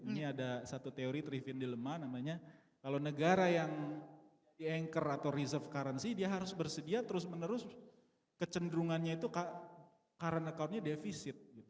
ini ada satu teori trive in dilema namanya kalau negara yang di anchor atau reserve currency dia harus bersedia terus menerus kecenderungannya itu current accountnya defisit